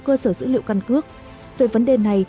cơ sở dữ liệu căn cước về vấn đề này